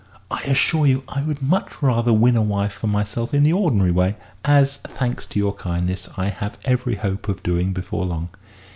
"I assure you I would much rather win a wife for myself in the ordinary way as, thanks to your kindness, I have every hope of doing before long."